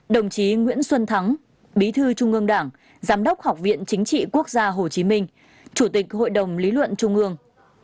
đồng chí nguyễn xuân thắng bí thư trung ương đảng giám đốc học viện chính trị quốc gia hồ chí minh chủ tịch hội đồng lý luận trung ương